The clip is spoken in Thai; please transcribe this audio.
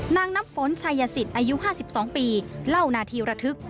น้ำฝนชัยสิทธิ์อายุ๕๒ปีเล่านาทีระทึก